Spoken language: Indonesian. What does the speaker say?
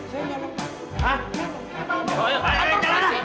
ngapain kamu disini